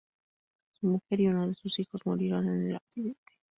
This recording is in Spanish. Su mujer y uno de sus hijos murieron en el accidente.